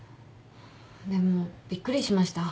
でもびっくりしました。